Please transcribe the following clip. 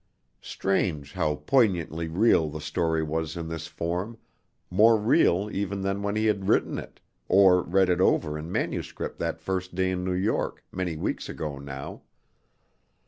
Strange, how poignantly real the story was in this form, more real even than when he had written it, or read it over in manuscript that first day in New York many weeks ago now.